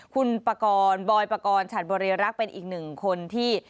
คุณปากรบอยปกรณ์ฉัดบริรักษ์เป็นอีกหนึ่งคนที่